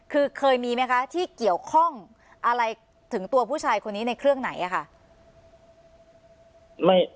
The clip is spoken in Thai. คือเคยมีไหมคะที่เกี่ยวข้องอะไรถึงตัวผู้ชายคนนี้ในเครื่องไหนค่ะ